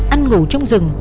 ăn ngủ trong rừng